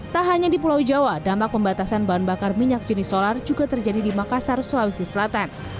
tak hanya di pulau jawa dampak pembatasan bahan bakar minyak jenis solar juga terjadi di makassar sulawesi selatan